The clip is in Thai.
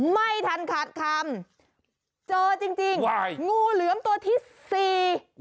ไม่ทันขาดคำเจอจริงงูเหลือมตัวที่สี่